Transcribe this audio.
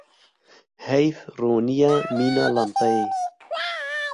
Heyv ronî ye mîna lembeyê.